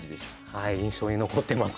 はい印象に残ってます